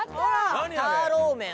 「ターローメン」